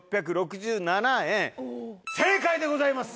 正解でございます！